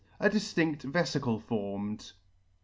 A diflindt veficle formed.